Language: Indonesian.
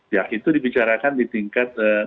ya itu dibicarakan di tingkat menko ya